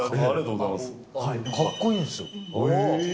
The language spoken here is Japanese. かっこいいんですよ。